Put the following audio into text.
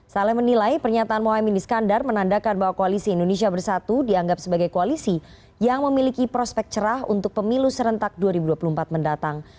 saleh menilai pernyataan mohaimin iskandar menandakan bahwa koalisi indonesia bersatu dianggap sebagai koalisi yang memiliki prospek cerah untuk pemilu serentak dua ribu dua puluh empat mendatang